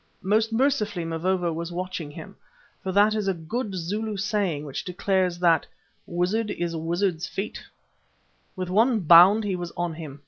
Most mercifully Mavovo was watching him, for that is a good Zulu saying which declares that "Wizard is Wizard's fate." With one bound he was on him.